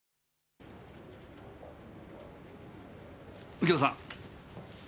右京さん。